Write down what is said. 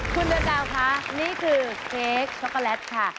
คุณเดือนดาวคะนี่คือเค้กช็อกโกแลตค่ะ